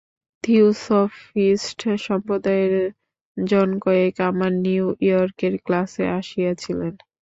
Theosophist সম্প্রদায়ের জনকয়েক আমার new ইয়র্কের ক্লাসে আসিয়াছিলেন।